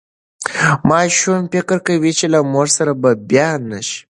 ماشوم فکر کوي چې له مور سره به بیا نه شي.